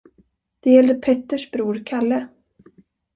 Det gällde Petters bror Kalle.